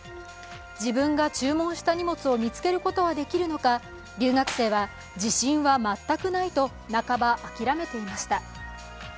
自分が注文した荷物を見つけることはできるのか、留学生は、自信は全くないと半ばあきらめていました。